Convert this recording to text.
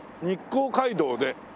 日光街道で。